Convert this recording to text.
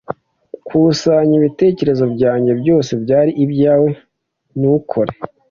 nkusanya ibitekerezo byanjye byose byari ibyawe, ntukore